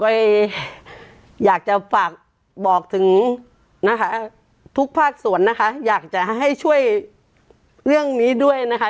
อยากจะฝากบอกถึงนะคะทุกภาคส่วนนะคะอยากจะให้ช่วยเรื่องนี้ด้วยนะคะ